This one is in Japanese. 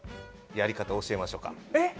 やり方を教えましょうか。